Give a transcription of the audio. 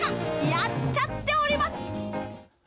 やっちゃっております。